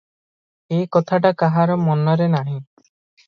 ଏ କଥାଟା କାହାର ମନରେ ନାହିଁ ।